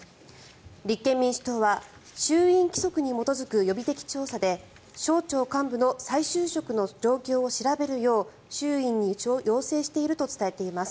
立憲民主党は衆院規則に基づく予備的調査で省庁幹部の再就職の状況を調べるよう衆院に要請していると伝えています。